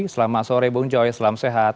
selamat sore bung joy selamat sehat